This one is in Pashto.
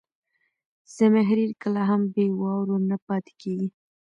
زمهریر کله هم بې واورو نه پاتې کېږي.